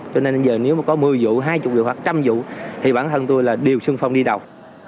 cho nên bây giờ nếu mà có một mươi vụ hai mươi vụ hoặc một trăm linh vụ thì bản thân tôi là đều sưng phong đi đầu